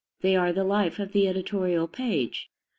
They are the life of the editorial page.